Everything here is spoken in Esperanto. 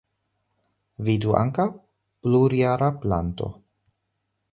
Vidu ankaŭ: plurjara planto.